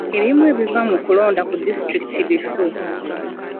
Ebimu ku biva mu kulonda ku disitulikiti bifu.